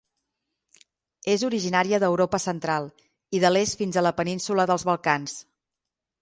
És originària d'Europa central i de l'est fins a la Península dels Balcans.